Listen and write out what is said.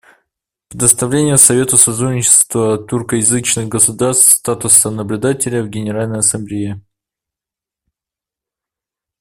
Предоставление Совету сотрудничества тюркоязычных государств статуса наблюдателя в Генеральной Ассамблее.